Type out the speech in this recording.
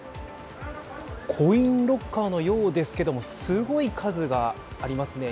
コインロッカーのようですけどもすごい数がありますね。